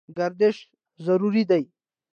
ګردش ضروري دی.